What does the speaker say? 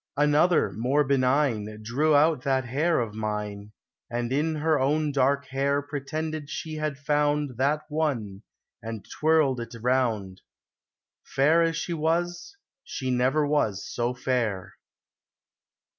Another, more benign, Drew out that hair of mine, And in her own dark hair 286 POEMS OF SEX TIM EN T. Pretended she had found That one, and twirled it round. — Fair as she was, she never was so fair.